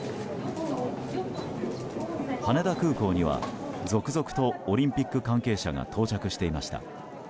羽田空港には続々とオリンピック関係者が到着していました。